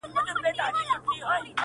کورنۍ دننه جګړه روانه ده تل،